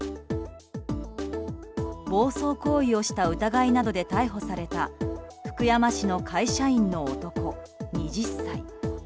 暴走行為をした疑いなどで逮捕された福山市の会社員の男、２０歳。